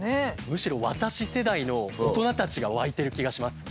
むしろ私世代の大人たちが沸いてる気がします。